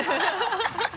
ハハハ